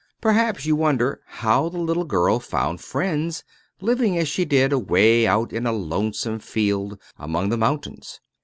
Perhaps you wonder how the little girl found friends, living as she did away out in a lonesome field among the mountains.